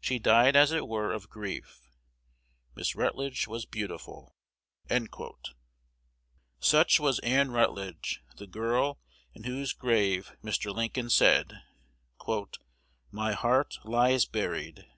She died as it were of grief. Miss Rutledge was beautiful." Such was Ann Rutledge, the girl in whose grave Mr. Lincoln said, "My heart lies buried."